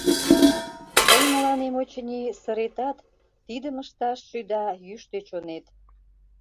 Тый мыланем, очыни, сыретат, Тидым ышташ шӱда йӱштӧ чонет.